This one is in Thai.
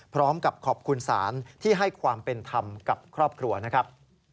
พร้อมกับขอบคุณศาลที่ให้ความเป็นธรรมกับครอบครัวนะครับ